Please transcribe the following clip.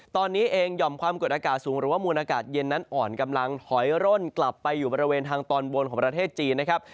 ตอนนี้เองหย่อมความกดอากาศสูงหรือว่ามูลอากาศเย็นนั้นอ่อนกำลังถอยร่นกลับไปอยู่บริเวณทางตอนบนของประเทศจีนนะครับ